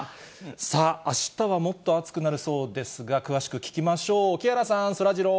さあ、あしたはもっと暑くなるそうですが、詳しく聞きましょう。